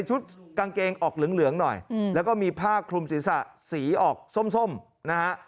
ชุดกางเกงออกเหลืองหน่อยแล้วก็มีผ้าคลุมศีรษะสีออกส้มนะฮะ